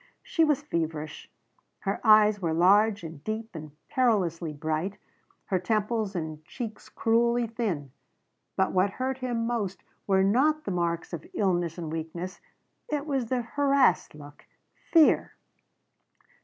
She was feverish; her eyes were large and deep and perilously bright, her temples and cheeks cruelly thin. But what hurt him most were not the marks of illness and weakness. It was the harassed look. Fear.